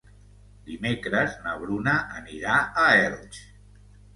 Dimecres na Bruna anirà a Elx.